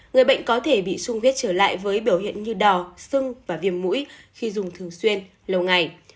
người bệnh có thể bị sung huyết trở lại với biểu hiện như đò sưng và viêm mũi khi dùng thường xuyên lâu ngày